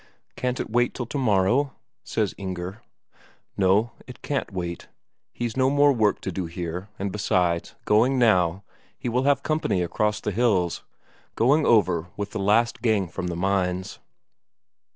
"Can't it wait till tomorrow?" says Inger. No, it can't wait, he's no more work to do here, and besides, going now, he will have company across the hills, going over with the last; gang from the mines.